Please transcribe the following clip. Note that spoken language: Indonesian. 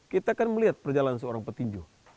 kita akan melihat perjalanan seorang petinju